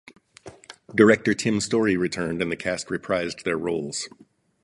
Director Tim Story returned, and the cast reprised their roles.